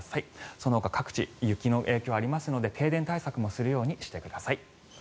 そのほか各地、雪の影響がありますので停電対策もするようにしてください。